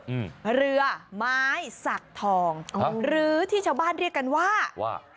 อืมเรือไม้สักทองอ๋อหรือที่ชาวบ้านเรียกกันว่าว่า